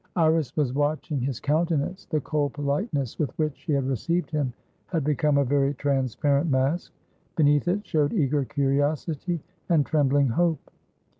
Iris was watching his countenance. The cold politeness with which she had received him had become a very transparent mask; beneath it showed eager curiosity and trembling hope.